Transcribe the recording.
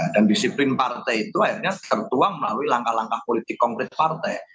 dan disiplin partai itu akhirnya tertuang melalui langkah langkah politik konkret partai